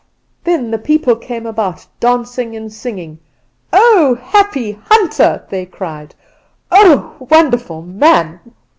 "Then the people came about dancing and singing. "'Oh, happy hunter!' they cried. 'Oh, wonderful man!